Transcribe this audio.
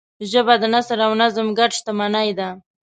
ژبه د نثر او نظم ګډ شتمنۍ ده